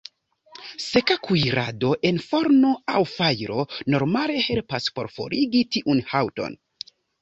Seka kuirado en forno aŭ fajro normale helpas por forigi tiun haŭton.